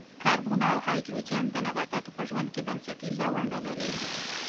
کاربن او هایدروجن د نباتاتو په ژوند کې بنسټیزه ونډه لري.